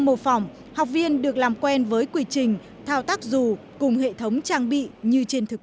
mô phỏng học viên được làm quen với quy trình thao tác dù cùng hệ thống trang bị như trên thực